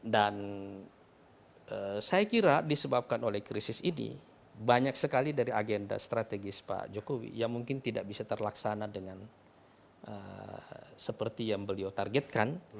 dan saya kira disebabkan oleh krisis ini banyak sekali dari agenda strategis pak jokowi yang mungkin tidak bisa terlaksana dengan seperti yang beliau targetkan